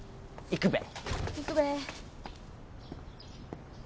行くべ。